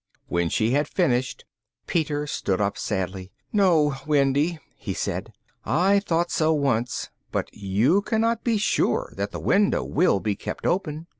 When she had finished, Peter stood up sadly. "No, Wendy," he said, "I thought so once, but you cannot be sure that the window will be kept open.